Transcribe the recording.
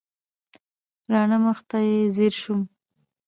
راڼه مخ ته یې ځېر شوم.